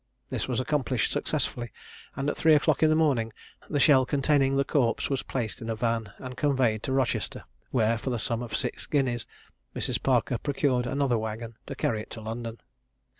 This was accomplished successfully, and at three o'clock in the morning, the shell containing the corpse was placed in a van, and conveyed to Rochester, where, for the sum of six guineas, Mrs. Parker procured another waggon to carry it to London.